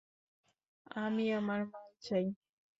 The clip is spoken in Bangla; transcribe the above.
আমি আমার মাল চাই!